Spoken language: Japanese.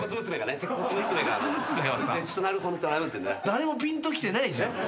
誰もぴんときてないじゃん。